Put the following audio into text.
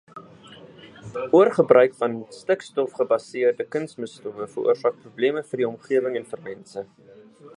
Oorgebruik van stikstofgebaseerde kunsmisstowwe veroorsaak probleme vir die omgewing en vir mense.